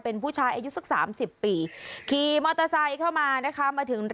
เป็นผู้ชายอายุสักสามสิบปีขี่กินมอโตไซยเข้ามามาถึงร้านขายของชำ